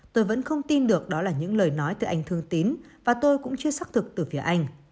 tôi vẫn không tin được đó là những lời nói từ anh thương tín và tôi cũng chưa xác thực từ phía anh